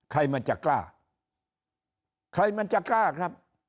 ใครมันจะกล้าใครมันจะกล้าครับ